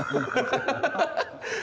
ハハハハ。